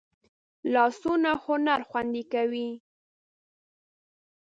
لاسونه هنر خوندي کوي